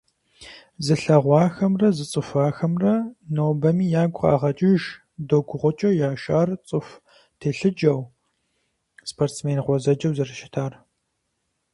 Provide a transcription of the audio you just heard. Зылъэгъуахэмрэ зыцӀыхуахэмрэ нобэми ягу къагъэкӀыж Догу-ГъукӀэ Яшар цӀыху телъыджэу, спортсмен гъуэзэджэу зэрыщытар.